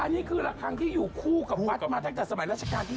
อันนี้คือละครั้งที่อยู่คู่กับวัดมาตั้งแต่สมัยราชการที่๙